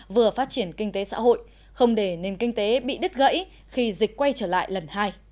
vừa phát triển kinh tế xã hội không để nền kinh tế bị đứt gãy khi dịch quay trở lại lần hai